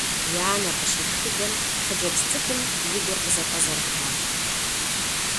И анэр къыщешхыдэм, хъыджэбз цӀыкӀум и гур къызэфӀэзэрыхьащ.